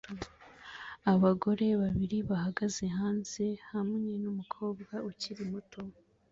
Abagore babiri bahagaze hanze hamwe numukobwa ukiri muto